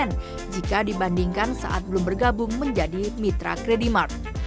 kedua budi sudah dibandingkan saat belum bergabung menjadi mitra credimark